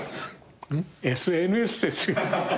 ＳＮＳですよ。